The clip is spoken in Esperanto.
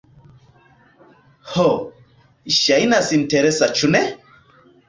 Ho, ŝajnas interesa ĉu ne?